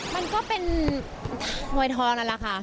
มันก็เป็นมวยทองนั่นแหละค่ะ